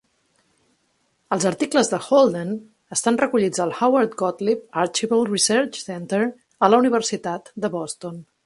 Els articles de Holden estan recollits al Howard Gotlieb Archival Research Center, a la Universitat de Boston.